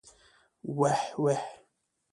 ويح ويح.